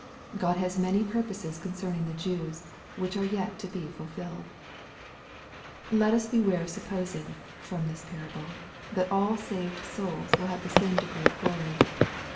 God has many purposes concerning the Jews, which are yet to be fulfilled. Let us beware of supposing, from this parable, that all saved souls will have the same degree of glory.